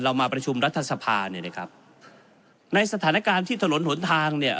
มาประชุมรัฐสภาเนี่ยนะครับในสถานการณ์ที่ถนนหนทางเนี่ย